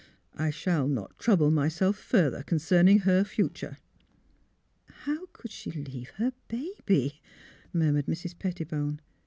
I shall not — trouble myself further concerning her future." '' How could she leave her baby? " murmured Mrs. Pettibone.